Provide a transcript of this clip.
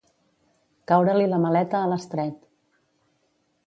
Caure-li la maleta a l'estret.